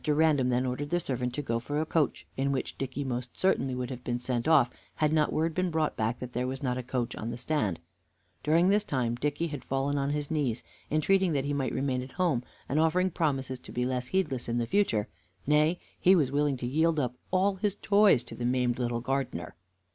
Random then ordered the servant to go for a coach, in which Dicky most certainly would have been sent off had not word been brought back that there was not a coach on the stand. During this time Dicky had fallen on his knees, entreating that he might remain at home, and offering promises to be less heedless in future; nay, he was willing to yield up all his toys to the maimed little gardener.